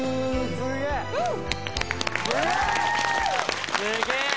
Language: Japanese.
すげえ！